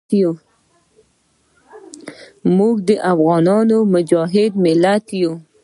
موږ افغانان مجاهد ملت یو.